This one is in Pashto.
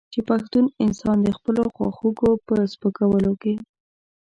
چې پښتون انسان د خپلو خواخوږو په سپکولو کې.